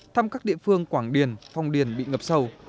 thăm các địa phương quảng điền phong điền bị ngập sâu